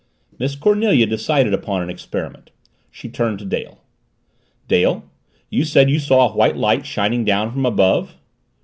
Miss Cornelia decided upon an experiment. She turned to Dale. "Dale, you said you saw a white light shining down from above?"